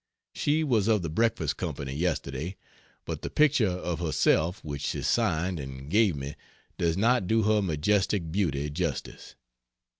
She was of the breakfast company yesterday, but the picture of herself which she signed and gave me does not do her majestic beauty justice.